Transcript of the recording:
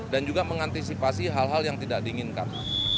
juga mengantisipasi hal hal yang tidak diinginkan